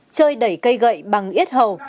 chơi đẩy cây gậy bằng ít hầu